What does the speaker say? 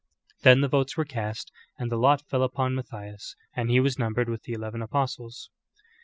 Then the votes were cast "and the lot fell upon Matthias; and he was numbered with the eleven apostles."